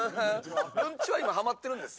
るんちわ、今ハマってるんですか？